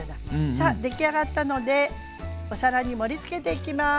さあ出来上がったのでお皿に盛りつけていきます。